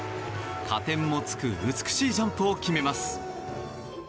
加点もつく美しいジャンプを決めます。